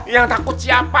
yang takut siapa